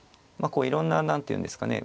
こういろんな何ていうんですかね